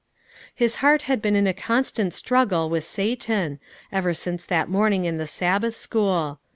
His heart had been in a constant Struggle with Satan, ever since that morning in the Sabbath school.